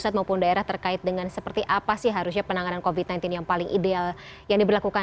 itu di seberang negara